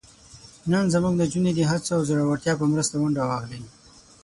نن زموږ نجونې د هڅو او زړورتیا په مرسته ونډه واخلي.